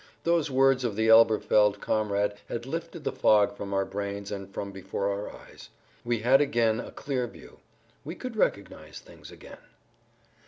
Those words of the Elberfeld comrade had lifted the fog from our brains and from before our eyes. We had again a clear view; we could recognize things again.